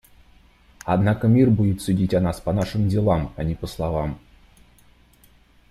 Однако мир будет судить о нас по нашим делам, а не по словам.